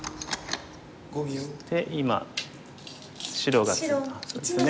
そして今白がそうですね